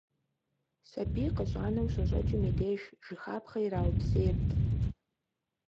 Сабий къыщӀанэу щыщӀэкӀым и деж, жыхапхъэ ираупсейрт.